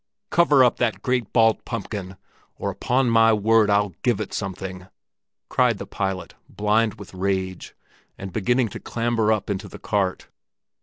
"Cover up that great bald pumpkin, or upon my word I'll give it something!" cried the pilot, blind with rage, and beginning to clamber up into the cart.